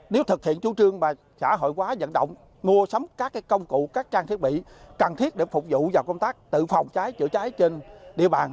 nếu thực hiện chủ trương mà xã hội hóa dẫn động mua sắm các công cụ các trang thiết bị cần thiết để phục vụ vào công tác tự phòng cháy chữa cháy trên địa bàn